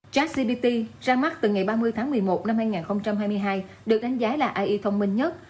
jacpt ra mắt từ ngày ba mươi tháng một mươi một năm hai nghìn hai mươi hai được đánh giá là ai thông minh nhất